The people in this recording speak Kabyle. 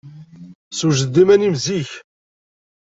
Sewjed-d iman-im zik.